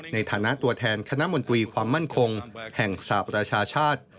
ในฐานะตัวแทนคณะมนตรีความมั่นคงแห่งสหประชาชาติ